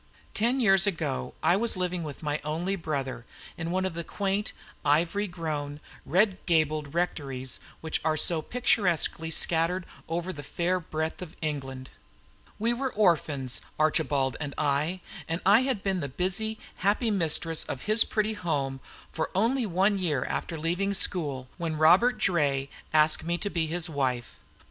Ten years ago I was living with my only brother in one of the quaint, ivy grown, red gabled rectories which are so picturesquely scattered over the fair breadth of England. We were orphans, Archibald and I; and I had been the busy, happy mistress of his pretty home for only one year after leaving school, when Robert Draye asked me to be his wife.